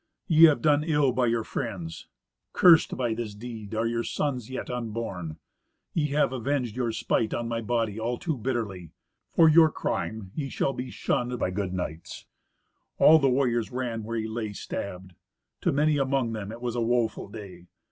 Ye have done ill by your friends. Cursed by this deed are your sons yet unborn. Ye have avenged your spite on my body all too bitterly. For your crime ye shall be shunned by good knights." All the warriors ran where he lay stabbed. To many among them it was a woeful day.